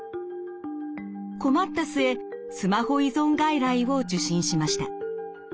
困った末スマホ依存外来を受診しました。